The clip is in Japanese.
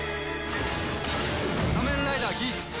『仮面ライダーギーツ』！